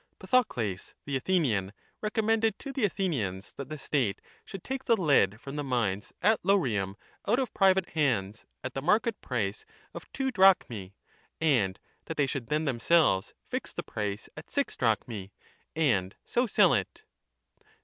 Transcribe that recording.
Pythocles, the Athenian, recommended to the Athe 15 nians that the state should take the lead from the mines at Laurium out of private hands at the market price of two drachmae and that they should then themselves fix the price at six drachmae and so sell it.